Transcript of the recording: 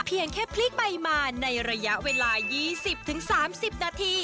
เพียงแค่พลิกใบมาในระยะเวลา๒๐๓๐นาที